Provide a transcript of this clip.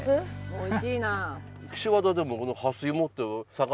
おいしいな。